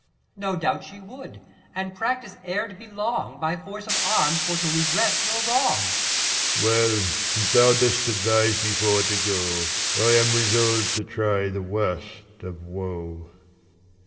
No doubt she would, and practise ere't be long, By force of arms for to redress your wrong. 105 Leir. Well, since thou dost advise me for to go, I am resolv'd to try the worst of woe.